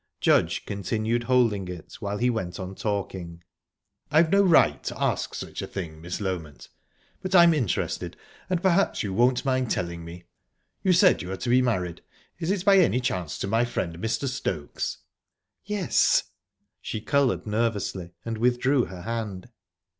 Judge continued holding it while he went on talking. "I've no right to ask such a thing, Miss Loment, but I'm interested, and perhaps you won't mind telling me. You said you are to be married; is it, by any chance, to my friend Mr. Stokes?" "Yes." She coloured nervously, and withdrew her hand.